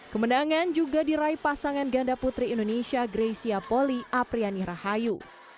kemenangan juga diraih pasangan ganda putri indonesia greysia poli apriani rahayu